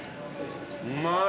うまい。